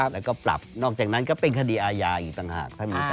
แล้วก็ปรับนอกจากนั้นก็เป็นคดีอาญาอีกต่างหาก